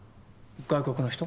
外国の人？